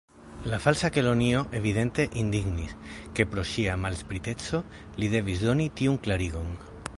La Falsa Kelonio evidente indignis, ke pro ŝia malspriteco li devis doni tiun klarigon.